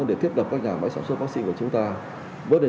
để huy động sự chung tay góp sức của người dân